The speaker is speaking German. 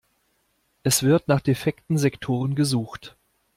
Es wird nach defekten Sektoren gesucht.